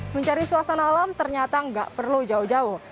mencari suasana alam ternyata nggak perlu jauh jauh